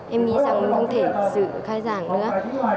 em nghĩ rằng không thể dự khai giảng nữa